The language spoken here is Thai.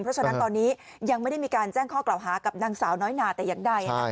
เพราะฉะนั้นตอนนี้ยังไม่ได้มีการแจ้งข้อกล่าวหากับนางสาวน้อยนาแต่อย่างใด